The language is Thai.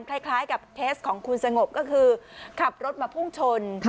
คล้ายกับเคสของคุณสงบก็คือขับรถมาพุ่งชน